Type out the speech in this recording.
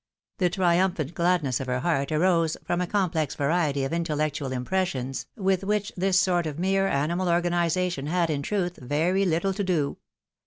The 'triumphant gladness of her heart arose from a complex variety of intellectual impressions with which this sort of mere animal organisation had, in truth, very Uttle to do.